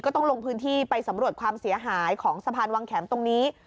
ต้องลงพื้นที่ไปสำรวจความเสียหายของสะพานวังแข็มตรงนี้